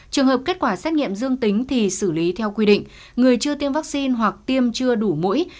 trường hợp kết quả xét nghiệm dương tính thì xử lý theo quy định người chưa tiêm vaccine hoặc tiêm chưa đủ mũi